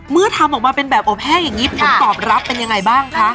เมื่อทำออกมาเป็นแบบอบแห้งอย่างนี้ผลตอบรับเป็นยังไงบ้างคะ